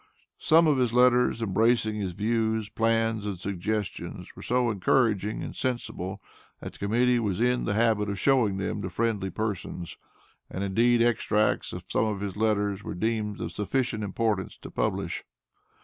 Some of his letters, embracing his views, plans and suggestions, were so encouraging and sensible, that the Committee was in the habit of showing them to friendly persons, and indeed, extracts of some of his letters were deemed of sufficient importance to publish.